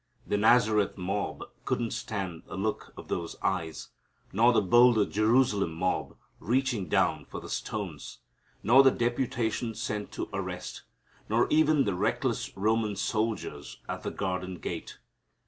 The Nazareth mob couldn't stand the look of those eyes, nor the bolder Jerusalem mob reaching down for the stones, nor the deputation sent to arrest, nor even the reckless Roman soldiers at the garden gate.